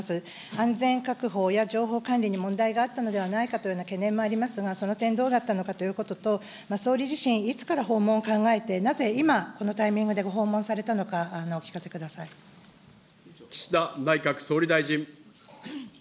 安全確保や情報管理に問題があったのではないかという懸念もありますが、その点、どうだったのかということと、総理自身、いつから訪問を考えて、なぜ今、このタイミングでご訪問されたのか、お岸田内閣総理大臣。